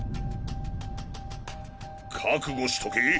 覚悟しとけ。